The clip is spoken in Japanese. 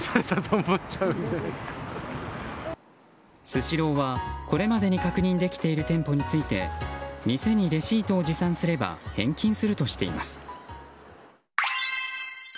スシローは、これまでに確認できている店舗について店にレシートを持参すれば返金するとしています。